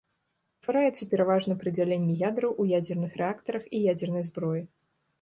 Утвараецца пераважна пры дзяленні ядраў у ядзерных рэактарах і ядзернай зброі.